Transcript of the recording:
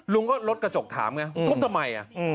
ลุงก็ลดกระจกถามไงทุบทำไม